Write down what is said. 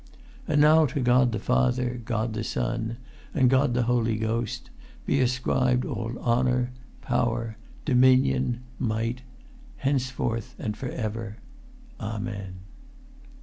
"And now to God the Father, God the Son, and God the Holy Ghost, be ascribed all honour, power, dominion, might, henceforth and for ever. Amen."